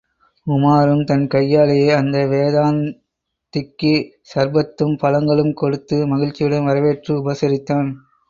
உமாரும் தன் கையாலேயே அந்த வேதாந்திக்கு சர்பத்தும் பழங்களும் கொடுத்து மகிழ்ச்சியுடன் வரவேற்று உபசரித்தான்.